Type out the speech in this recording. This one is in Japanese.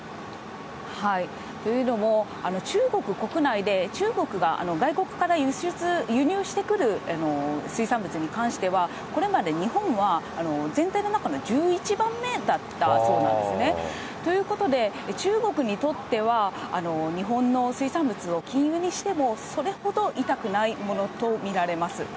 というのも、中国国内で中国が外国から輸入してくる水産物に関しては、これまで日本は全体の中の１１番目だったそうなんですね。ということで、中国にとっては日本の水産物を禁輸にしても、それほど痛くないものと見られます。